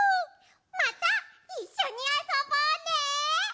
またいっしょにあそぼうね！